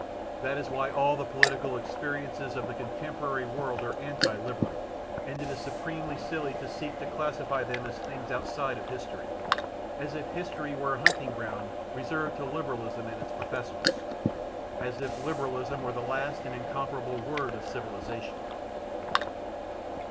That is why all the political experiences of the contemporary world are anti Liberal, and it is supremely silly to seek to classify them as things outside of history as if history were a hunting ground reserved to Liberalism and its professors; as if Liberalism were the last and incomparable word of civilisation.